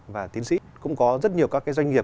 và tiến sĩ cũng có rất nhiều các cái doanh nghiệp